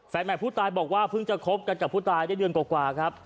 แม่ผู้ตายบอกว่าเพิ่งจะคบกันกับผู้ตายได้เดือนกว่าครับ